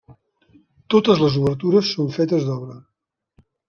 Totes les obertures són fetes d'obra.